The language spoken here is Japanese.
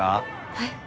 はい。